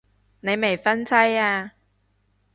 你未婚妻啊